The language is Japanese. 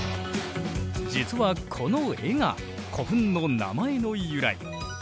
実はこの絵が古墳の名前の由来。